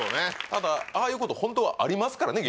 ただああいうことホントはありますからね